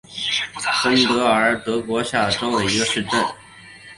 芬特尔是德国下萨克森州的一个市镇。